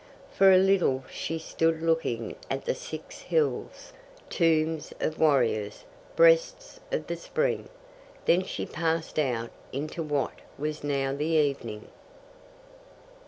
For a little she stood looking at the Six Hills, tombs of warriors, breasts of the spring. Then she passed out into what was now the evening.